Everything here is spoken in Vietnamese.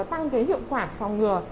tăng hiệu quả phòng ngừa